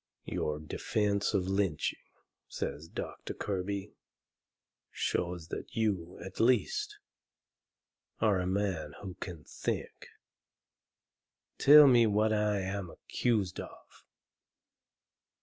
"Your defence of lynching," says Doctor Kirby, "shows that you, at least, are a man who can think. Tell me what I am accused of?"